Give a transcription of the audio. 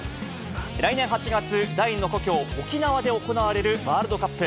来年８月、第２の故郷、沖縄で行われるワールドカップ。